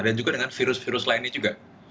dan juga dengan virus virus lainnya juga